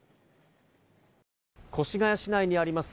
越谷市内にあります